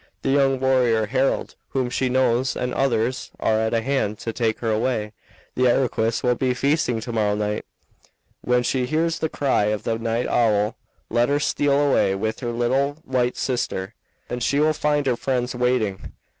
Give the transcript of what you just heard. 'The young warrior Harold, whom she knows, and others, are at hand to take her away. The Iroquois will be feasting to morrow night. When she hears the cry of a night owl let her steal away with her little white sister and she will find her friends waiting.'